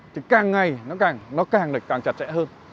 thì càng ngày nó càng chặt chẽ hơn